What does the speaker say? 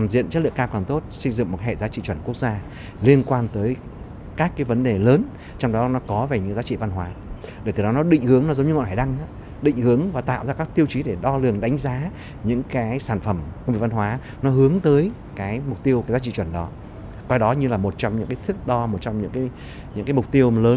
đó như là một trong những thức đo một trong những mục tiêu lớn